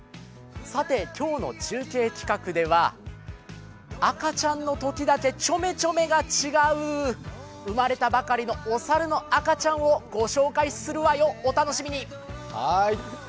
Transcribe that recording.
さて今日の中継企画では、赤ちゃんの時だけチョメチョメが違う、生まれたばかりのお猿の赤ちゃんを御紹介するわよ、お楽しみに。